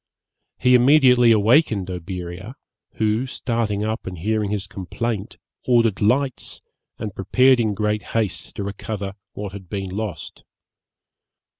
He immediately awakened Oberea, who, starting up and hearing his complaint, ordered lights, and prepared in great haste to recover what had been lost.